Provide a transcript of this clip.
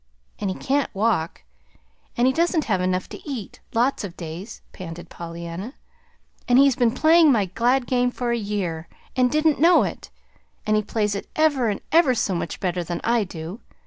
And he can't walk, and he doesn't have enough to eat, lots of days," panted Pollyanna; "and he's been playing my glad game for a year, and didn't know it. And he plays it ever and ever so much better than I do.